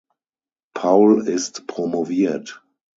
Paul ist promoviert.